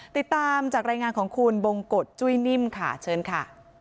ติดตามจากรายงานของคุณบงกฎจุ้ยนิ่มค่ะเชิญค่ะ